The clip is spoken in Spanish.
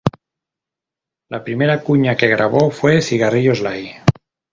La primera cuña que grabó fue Cigarrillos Light.